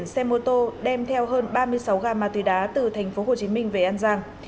xe mô tô đem theo hơn ba mươi sáu gram ma túy đá từ tp hcm về an giang